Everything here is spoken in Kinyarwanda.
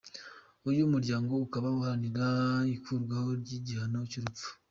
Uyu muryango ukaba uharanira ikurwaho ry'igihano cy'urupfu.